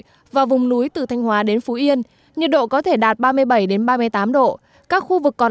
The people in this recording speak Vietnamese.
hà nội và vùng núi từ thanh hóa đến phú yên nhiệt độ có thể đạt ba mươi bảy ba mươi tám độ các khu vực còn